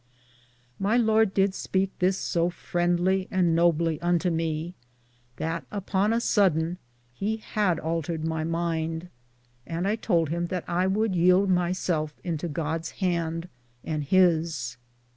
My Lorde did speake this so frindly and nobly unto me, that upon a sodon he had altered my mynde, and I tould him that I would yeld my selfe into Godes hand and his.